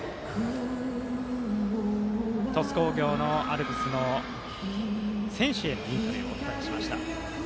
鳥栖工業のアルプスの選手にインタビューの声をお届けしました。